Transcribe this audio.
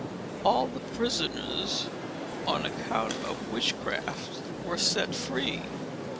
All the prisoners on account of witchcraft were set free.